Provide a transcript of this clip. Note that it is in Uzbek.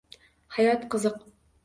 Hayot – qiziq.